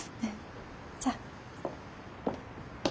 じゃあ。